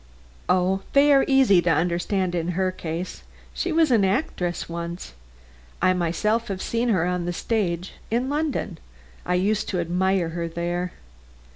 "Oh, they are easy enough to understand in her case. She was an actress once. I myself have seen her on the stage in London. I used to admire her there."